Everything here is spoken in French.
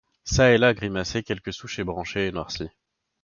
Çà et là grimaçaient quelques souches ébranchées et noircies.